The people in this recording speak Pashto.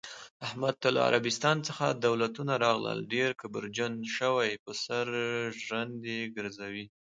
احمد ته له عربستان څخه دولتونه راغلل، ډېر کبرجن شوی، په سر ژرندې ګرځوی.